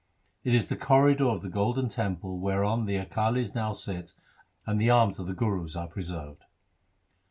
It is the corridor of the golden temple whereon the Akalis now sit and the arms of the Gurus are preserved.